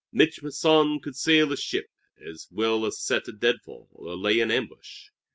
Mich' Masson could sail a ship as well as set a dead fall or lay an ambush.